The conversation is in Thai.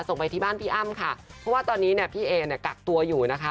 ส่งไปที่บ้านพี่อ้ำค่ะเพราะว่าตอนนี้พี่เอ๋กักตัวอยู่นะคะ